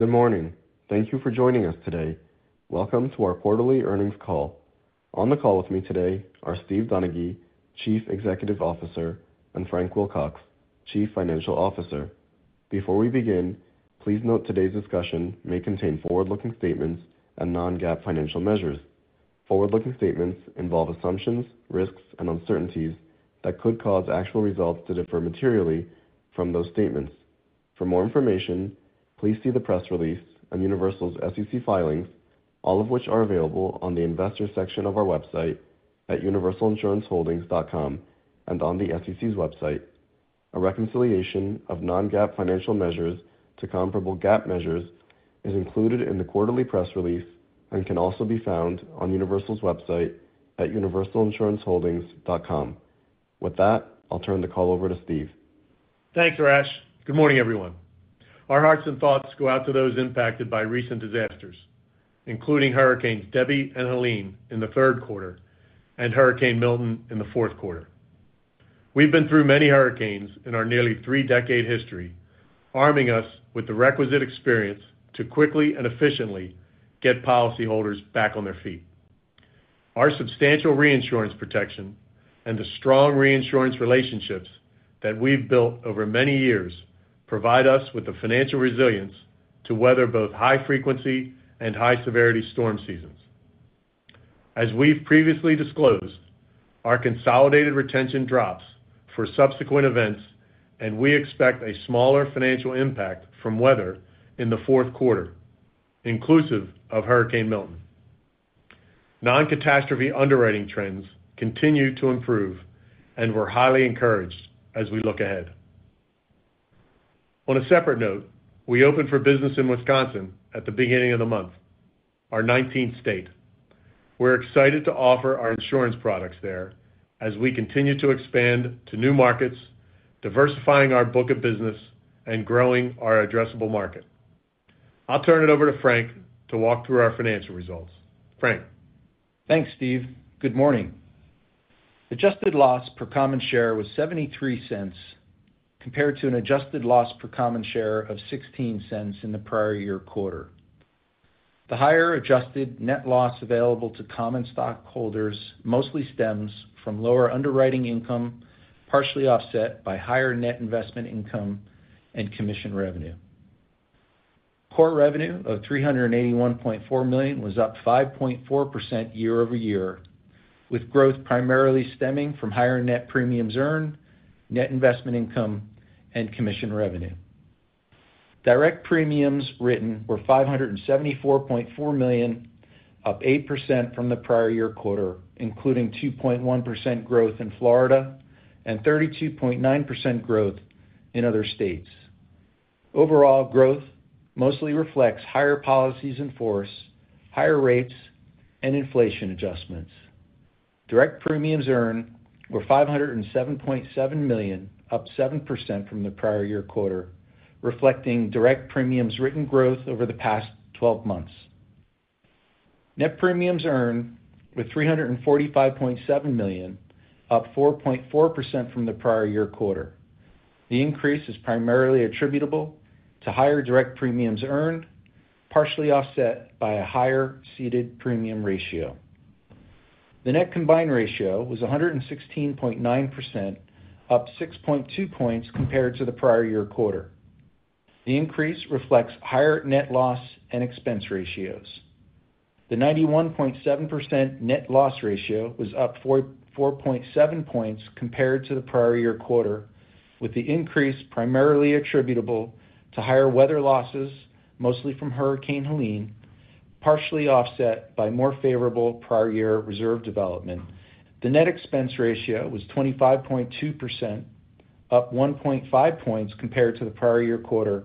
Good morning. Thank you for joining us today. Welcome to our quarterly earnings call. On the call with me today are Steve Donaghy, Chief Executive Officer, and Frank Wilcox, Chief Financial Officer. Before we begin, please note today's discussion may contain forward-looking statements and non-GAAP financial measures. Forward-looking statements involve assumptions, risks, and uncertainties that could cause actual results to differ materially from those statements. For more information, please see the press release on Universal's SEC filings, all of which are available on the investor section of our website at universalinsuranceholdings.com and on the SEC's website. A reconciliation of non-GAAP financial measures to comparable GAAP measures is included in the quarterly press release and can also be found on Universal's website at universalinsuranceholdings.com. With that, I'll turn the call over to Steve. Thanks, Arash. Good morning, everyone. Our hearts and thoughts go out to those impacted by recent disasters, including hurricanes Debby and Helene in the third quarter and Hurricane Milton in the fourth quarter. We've been through many hurricanes in our nearly three-decade history, arming us with the requisite experience to quickly and efficiently get policyholders back on their feet. Our substantial reinsurance protection and the strong reinsurance relationships that we've built over many years provide us with the financial resilience to weather both high frequency and high-severity storm seasons. As we've previously disclosed, our consolidated retention drops for subsequent events, and we expect a smaller financial impact from weather in the fourth quarter, inclusive of Hurricane Milton. Non-catastrophe underwriting trends continue to improve, and we're highly encouraged as we look ahead. On a separate note, we opened for business in Wisconsin at the beginning of the month, our nineteenth state. We're excited to offer our insurance products there as we continue to expand to new markets, diversifying our book of business, and growing our addressable market. I'll turn it over to Frank to walk through our financial results. Frank? Thanks, Steve. Good morning. Adjusted loss per common share was $0.73, compared to an adjusted loss per common share of $0.16 in the prior year quarter. The higher adjusted net loss available to common stockholders mostly stems from lower underwriting income, partially offset by higher net investment income and commission revenue. Core revenue of $381.4 million was up 5.4% year over year, with growth primarily stemming from higher net premiums earned, net investment income, and commission revenue. Direct premiums written were $574.4 million, up 8% from the prior year quarter, including 2.1% growth in Florida and 32.9% growth in other states. Overall, growth mostly reflects higher policies in force, higher rates, and inflation adjustments. Direct premiums earned were $507.7 million, up 7% from the prior year quarter, reflecting direct premiums written growth over the past twelve months. Net premiums earned were $345.7 million, up 4.4% from the prior year quarter. The increase is primarily attributable to higher direct premiums earned, partially offset by a higher ceded premium ratio. The net combined ratio was 116.9%, up 6.2 points compared to the prior year quarter. The increase reflects higher net loss and expense ratios. The 91.7% net loss ratio was up 4.7 points compared to the prior year quarter, with the increase primarily attributable to higher weather losses, mostly from Hurricane Helene, partially offset by more favorable prior year reserve development. The net expense ratio was 25.2%, up 1.5 points compared to the prior year quarter,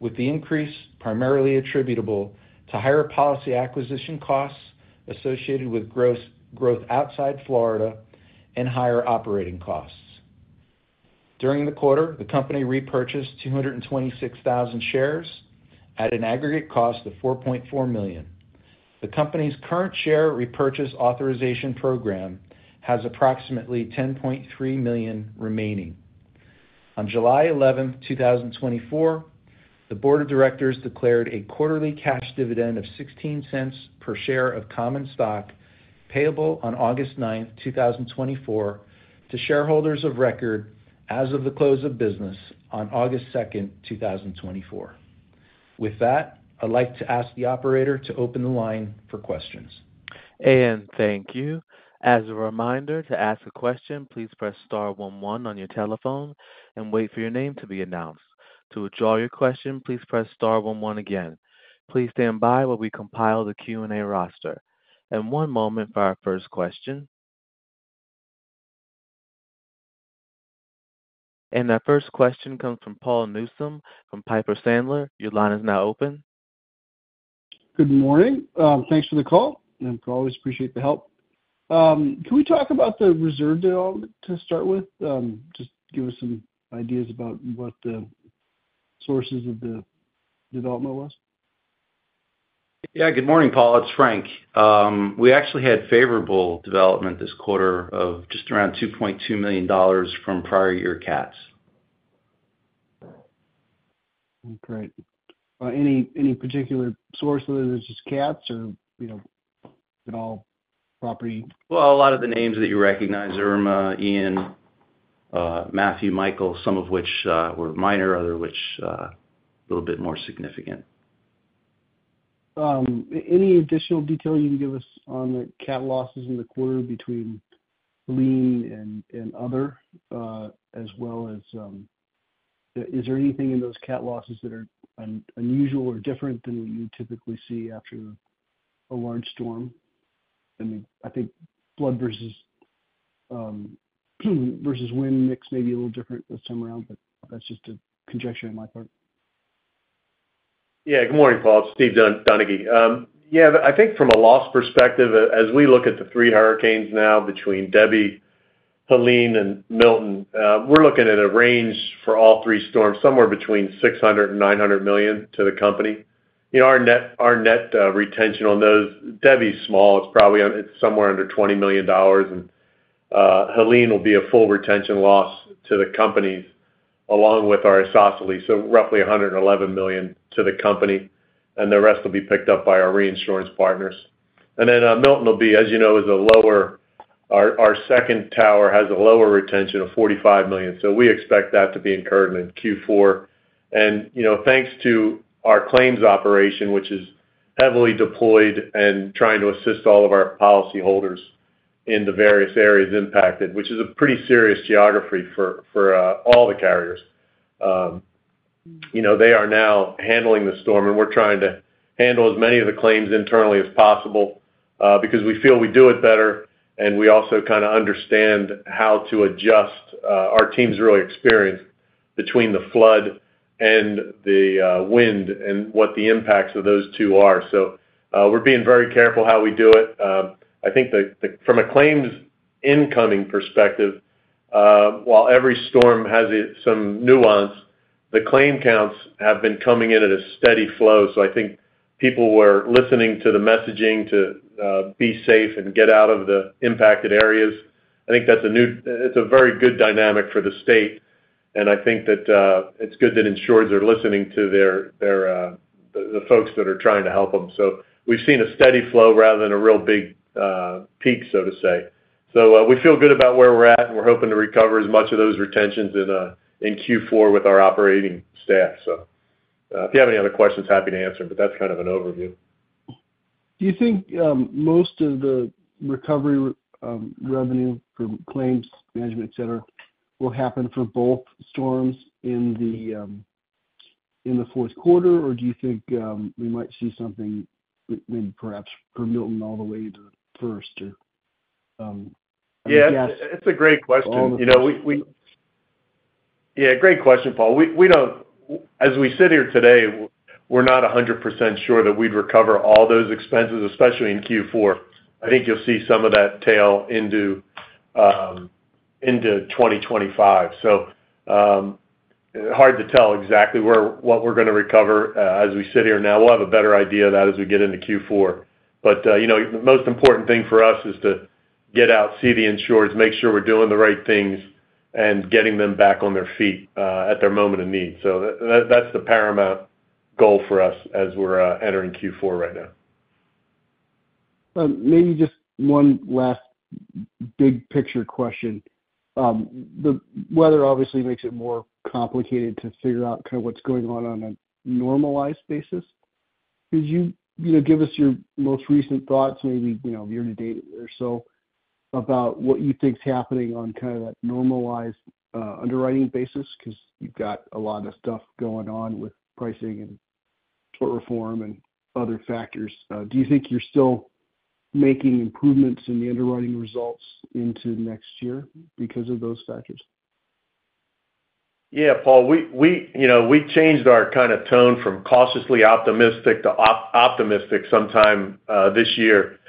with the increase primarily attributable to higher policy acquisition costs associated with gross growth outside Florida and higher operating costs. During the quarter, the company repurchased 226,000 shares at an aggregate cost of $4.4 million. The company's current share repurchase authorization program has approximately $10.3 million remaining. On July 11, 2024, the board of directors declared a quarterly cash dividend of $0.16 per share of common stock, payable on August 9, 2024, to shareholders of record as of the close of business on August 2, 2024. With that, I'd like to ask the operator to open the line for questions. And thank you. As a reminder, to ask a question, please press star one one on your telephone and wait for your name to be announced. To withdraw your question, please press star one one again. Please stand by while we compile the Q&A roster. And one moment for our first question. And our first question comes from Paul Newsome from Piper Sandler. Your line is now open. Good morning. Thanks for the call, and always appreciate the help. Can we talk about the reserve development to start with? Just give us some ideas about what the sources of the development was? ... Yeah, good morning, Paul. It's Frank. We actually had favorable development this quarter of just around $2.2 million from prior year cats. Great. Any particular source, whether it's just cats or, you know, all property? A lot of the names that you recognize, Irma, Ian, Matthew, Michael, some of which were minor, other which a little bit more significant. Any additional detail you can give us on the cat losses in the quarter between lean and other, as well as, is there anything in those cat losses that are unusual or different than what you typically see after a large storm? I mean, I think flood versus wind mix may be a little different this time around, but that's just a conjecture on my part. Yeah, good morning, Paul. It's Steve Donaghy. Yeah, I think from a loss perspective, as we look at the three hurricanes now, between Debby, Helene, and Milton, we're looking at a range for all three storms, somewhere between $600 million and $900 million to the company. You know, our net retention on those, Debby's small, it's probably somewhere under $20 million, and Helene will be a full retention loss to the company, along with our AQS Re, so roughly $111 million to the company, and the rest will be picked up by our reinsurance partners. Then, Milton will be, as you know, a lower retention. Our second tower has a lower retention of $45 million, so we expect that to be incurred in Q4. And, you know, thanks to our claims operation, which is heavily deployed and trying to assist all of our policyholders in the various areas impacted, which is a pretty serious geography for all the carriers. You know, they are now handling the storm, and we're trying to handle as many of the claims internally as possible, because we feel we do it better, and we also kind of understand how to adjust. Our team's really experienced between the flood and the wind and what the impacts of those two are. So, we're being very careful how we do it. I think the from a claims incoming perspective, while every storm has its own nuance, the claim counts have been coming in at a steady flow, so I think people were listening to the messaging to be safe and get out of the impacted areas. I think that's a very good dynamic for the state, and I think that it's good that insurers are listening to the folks that are trying to help them. So we've seen a steady flow rather than a real big peak, so to say. So we feel good about where we're at, and we're hoping to recover as much of those retentions in Q4 with our operating staff. So if you have any other questions, happy to answer, but that's kind of an overview. Do you think most of the recovery revenue from claims management, et cetera, will happen for both storms in the fourth quarter? Or do you think we might see something maybe perhaps for Milton all the way into the first or, I guess- Yeah, it's a great question. All in the first- You know, Yeah, great question, Paul. We don't. As we sit here today, we're not 100% sure that we'd recover all those expenses, especially in Q4. I think you'll see some of that tail into 2025. So, hard to tell exactly where what we're gonna recover, as we sit here now. We'll have a better idea of that as we get into Q4. But, you know, the most important thing for us is to get out, see the insurers, make sure we're doing the right things, and getting them back on their feet, at their moment of need. So that's the paramount goal for us as we're entering Q4 right now. Maybe just one last big picture question. The weather obviously makes it more complicated to figure out kind of what's going on on a normalized basis. Could you, you know, give us your most recent thoughts, maybe, you know, year to date or so, about what you think is happening on kind of that normalized, underwriting basis? Because you've got a lot of stuff going on with pricing and tort reform and other factors. Do you think you're still making improvements in the underwriting results into next year because of those factors? Yeah, Paul, you know, we changed our kind of tone from cautiously optimistic to optimistic sometime this year.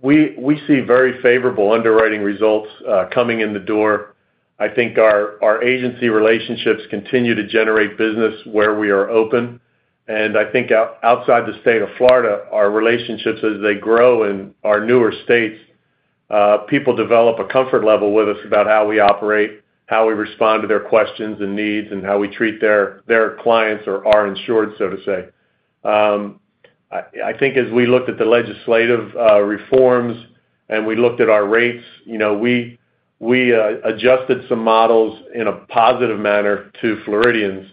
We see very favorable underwriting results coming in the door. I think our agency relationships continue to generate business where we are open, and I think outside the state of Florida, our relationships, as they grow in our newer states, people develop a comfort level with us about how we operate, how we respond to their questions and needs, and how we treat their clients or our insureds, so to say. I think as we looked at the legislative reforms and we looked at our rates, you know, we adjusted some models in a positive manner to Floridians.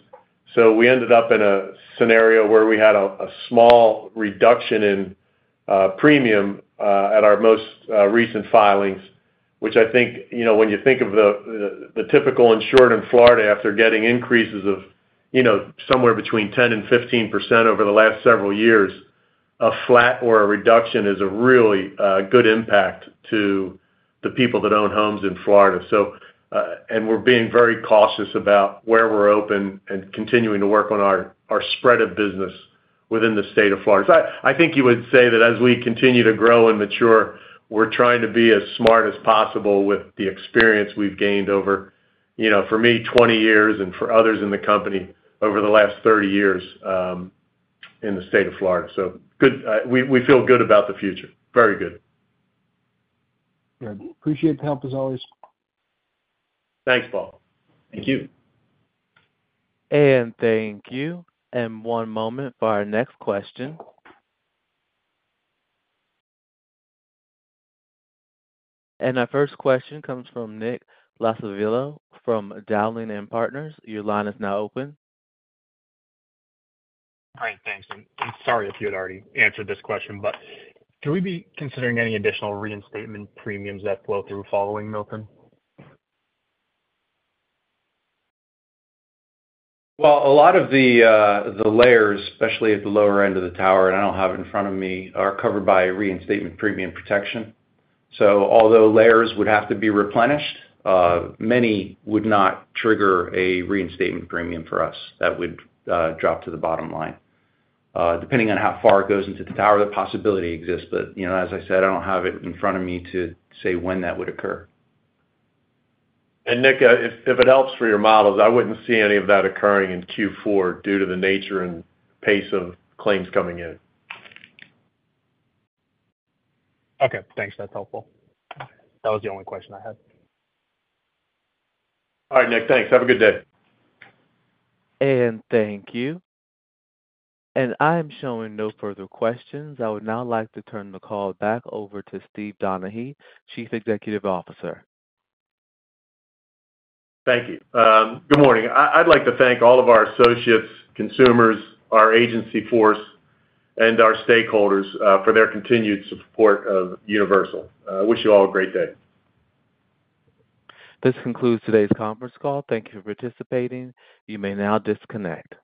So we ended up in a scenario where we had a small reduction in premium at our most recent filings, which I think, you know, when you think of the typical insurer in Florida, after getting increases of, you know, somewhere between 10% and 15% over the last several years, a flat or a reduction is a really good impact to the people that own homes in Florida. So and we're being very cautious about where we're open and continuing to work on our spread of business within the state of Florida. So I think you would say that as we continue to grow and mature, we're trying to be as smart as possible with the experience we've gained over several-... You know, for me, twenty years, and for others in the company, over the last thirty years, in the state of Florida. So good, we feel good about the future. Very good. Yeah. Appreciate the help, as always. Thanks, Paul. Thank you. And thank you. And one moment for our next question. And our first question comes from Nick Iacoviello from Dowling and Partners. Your line is now open. Great, thanks. And I'm sorry if you had already answered this question, but can we be considering any additional reinstatement premiums that flow through following Milton? Well, a lot of the layers, especially at the lower end of the tower, and I don't have it in front of me, are covered by Reinstatement Premium Protection. So although layers would have to be replenished, many would not trigger a reinstatement premium for us that would drop to the bottom line. Depending on how far it goes into the tower, the possibility exists, but, you know, as I said, I don't have it in front of me to say when that would occur. And Nick, if it helps for your models, I wouldn't see any of that occurring in Q4 due to the nature and pace of claims coming in. Okay, thanks. That's helpful. That was the only question I had. All right, Nick. Thanks. Have a good day. Thank you. I am showing no further questions. I would now like to turn the call back over to Steve Donaghy, Chief Executive Officer. Thank you. Good morning. I'd like to thank all of our associates, consumers, our agency force, and our stakeholders for their continued support of Universal. I wish you all a great day. This concludes today's conference call. Thank you for participating. You may now disconnect.